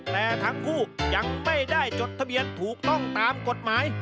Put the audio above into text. แต่ทั้งคู่ยังไม่ได้จดทะเบียนถูกต้องตามกฎหมาย